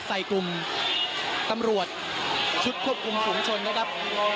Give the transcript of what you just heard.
ใส่กลุ่มตำรวจชุดควบคุมฝุงชนนะครับ